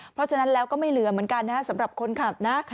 เพราะฉะนั้นแล้วก็ไม่เหลือเหมือนกันนะสำหรับคนขับนะ